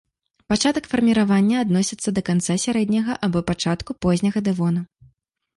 Пачатак фарміравання адносіцца да канца сярэдняга або пачатку позняга дэвону.